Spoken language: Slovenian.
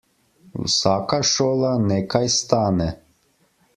Vsaka šola nekaj stane.